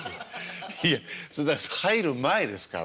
いえ入る前ですから。